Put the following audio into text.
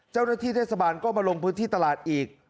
เจ้าหน้าที่เทศบาลก็มาลงพื้นที่ตลาดอีก